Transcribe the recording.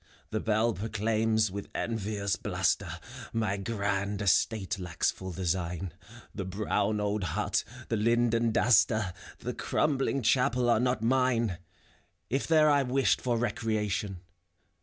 The bell proclaims, with envious bluster, My grand estate lacks full design : The brown old hut, the linden duster, The crumbling chapel, are not mine. If there I wished for recreation.